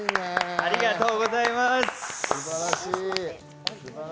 ありがとうございます。